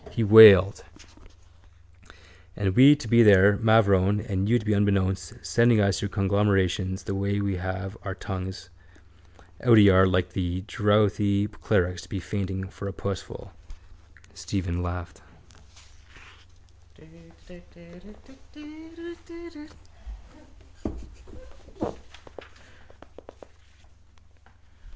He wailed: —And we to be there, mavrone, and you to be unbeknownst sending us your conglomerations the way we to have our tongues out a yard long like the drouthy clerics do be fainting for a pussful. Stephen laughed.